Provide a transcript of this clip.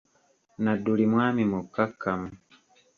Nadduli mwami mukakkamu.